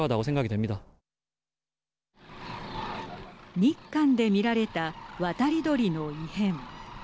日韓で見られた渡り鳥の異変。